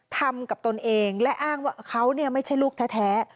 ทำกับตนเองและอ้างว่าเขาไม่ใช่ลูกแท้